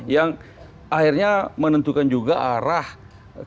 yang akhirnya menentukan juga arah kemana